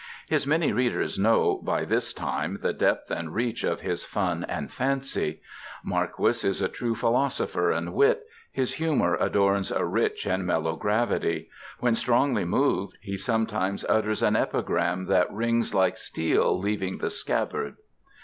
His many readers know by this time the depth and reach of his fun and fancy. Marquis is a true philosopher and wit, his humor adorns a rich and mellow gravity. When strongly moved he sometimes utters an epigram that rings like steel leaving the scabbard.